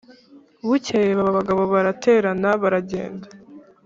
Bukeye ba bagabo baraterana baragenda